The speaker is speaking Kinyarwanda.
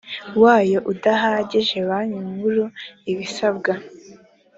wayo udahagije banki nkuru ibisabwe